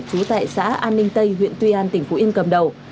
trú tại xã an ninh tây huyện tuy an tỉnh phú yên cầm đầu